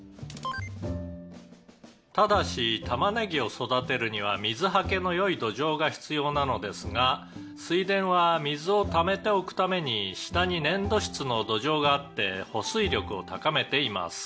「ただしたまねぎを育てるには水はけの良い土壌が必要なのですが水田は水をためておくために下に粘土質の土壌があって保水力を高めています」